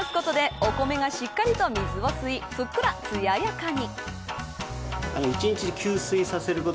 一日、水に浸すことでお米がしっかりと水を吸いふっくら、つややかに。